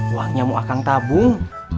uangnya mau akang tabung